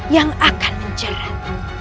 yang akan menjerat